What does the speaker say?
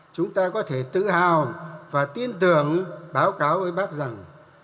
chúng ta có thể tự hào và tin tưởng báo cáo với bác rằng